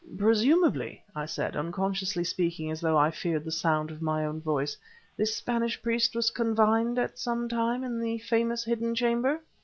"Presumably," I said, unconsciously speaking as though I feared the sound of my own voice, "this Spanish priest was confined at some time in the famous hidden chamber?"